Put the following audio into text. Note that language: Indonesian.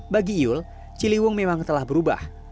bagi iul ciliwung memang telah berubah